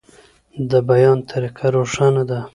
د بیان طریقه روښانه ده.